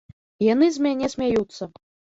Яны з мяне смяюцца.